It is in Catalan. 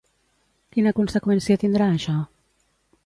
Quina conseqüència tindrà això?